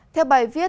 theo bài viết